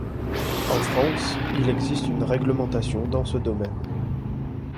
En France, il existe une réglementation dans ce domaine.